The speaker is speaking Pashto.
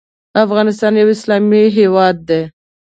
افغانستان یو اسلامي هیواد دی.